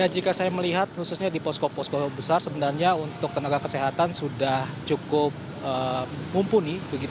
jika saya melihat khususnya di posko posko besar sebenarnya untuk tenaga kesehatan sudah cukup mumpuni